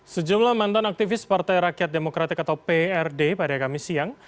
sejumlah mantan aktivis partai rakyat demokratik atau prd pada kamis siang